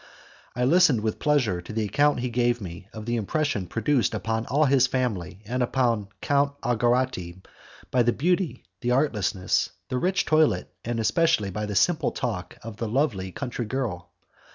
I listened with real pleasure to the account he gave me of the impression produced upon all his family and upon Count Algarotti by the beauty, the artlessness, the rich toilet, and especially by the simple talk of the lovely country girl.